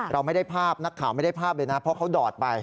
เราไม่ได้ภาพนักข่าวไม่ได้ภาพเลยนะเพราะเขาดอดไป